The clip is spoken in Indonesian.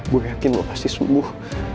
gue yakin lo pasti sembuh